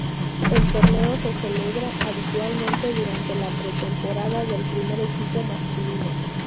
El torneo se celebra habitualmente durante la pretemporada del primer equipo masculino.